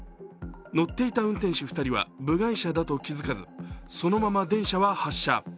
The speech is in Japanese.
乗っていた運転士２人は部外者だと気づかずそのまま電車は発車。